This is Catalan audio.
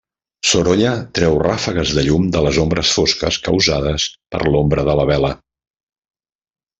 Sorolla treu ràfegues de llum de les ombres fosques causades per l'ombra de la vela.